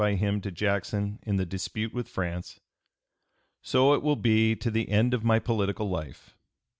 302) by him to Jackson in the dispute with France; "so it will be to the end of my political life."